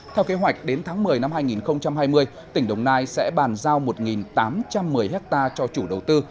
theo kế hoạch đến tháng một mươi năm hai nghìn hai mươi tỉnh đồng nai sẽ bàn giao một tám trăm một mươi hectare cho chủ đầu tư